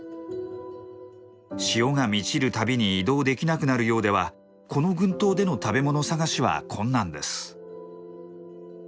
潮が満ちるたびに移動できなくなるようではこの群島での食べ物探しは困難です。